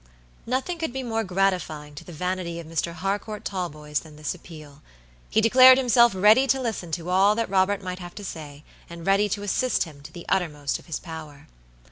Nothing could be more gratifying to the vanity of Mr. Harcourt Talboys than this appeal. He declared himself ready to listen to all that Robert might have to say, and ready to assist him to the uttermost of his power.